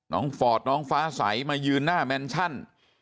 ฟอร์ดน้องฟ้าใสมายืนหน้าแมนชั่น